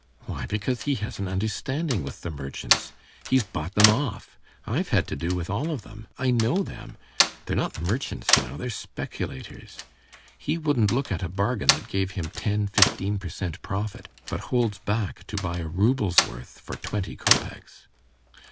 "Why, because he has an understanding with the merchants; he's bought them off. I've had to do with all of them; I know them. They're not merchants, you know: they're speculators. He wouldn't look at a bargain that gave him ten, fifteen per cent. profit, but holds back to buy a rouble's worth for twenty kopecks."